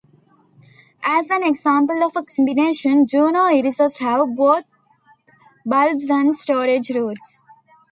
As an example of a combination, juno irises have both bulbs and storage roots.